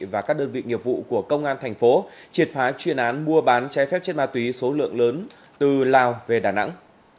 và các đơn vị nghiệp vụ của công an thành phố triệt phá chuyên án mua bán trái phép chất ma túy số lượng lớn từ lào về đà nẵng